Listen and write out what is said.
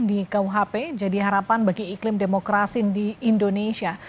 di kuhp jadi harapan bagi iklim demokrasi di indonesia